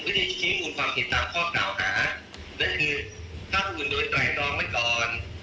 วิธีชีพภูมิความผิดตามข้อเก่าฮะนั่นคือถ้าผู้อื่นโดยไตร่ตรองไม่ก่อน